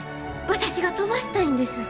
私が飛ばしたいんです。